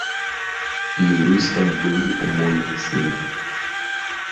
Юрыстам быў мой сын.